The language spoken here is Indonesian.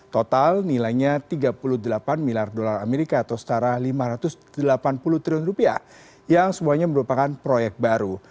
total nilainya tiga puluh delapan miliar dolar amerika atau setara lima ratus delapan puluh triliun rupiah yang semuanya merupakan proyek baru